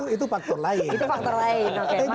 itu pertimbangannya pak jokowi